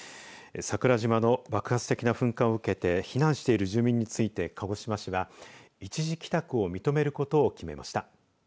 桜島の爆発的な噴火を受けて避難している住民について鹿児島市は一時帰宅を認めることを決めました。